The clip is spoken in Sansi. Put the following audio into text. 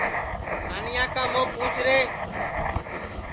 سانیا کُا پُوچھ رے